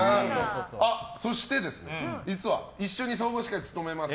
そして、実は一緒に総合司会を務めます